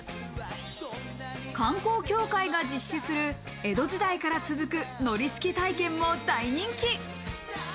観光協会が実施する江戸時代から続く海苔すき体験も大人気。